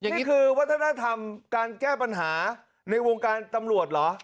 อย่างนี้คือวัฒนธรรมการแก้ปัญหาในวงการตำรวจเหรอ